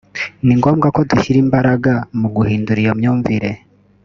Ni ngombwa ko dushyira imbaraga mu guhindura iyo myumvire